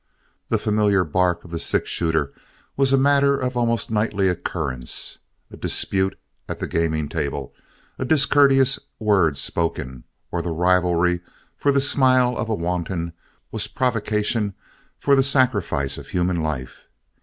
The familiar bark of the six shooter was a matter of almost nightly occurrence; a dispute at the gaming table, a discourteous word spoken, or the rivalry for the smile of a wanton was provocation for the sacrifice of human life.